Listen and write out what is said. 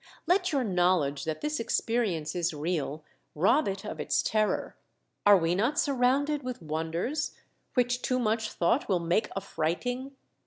Let your knowledge that this experience is real rob it of its terror. Are we not surrounded with wonders which too much thought will make affrighting